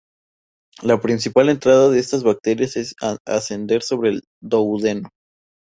La principal entrada de estas bacterias es ascender por el duodeno.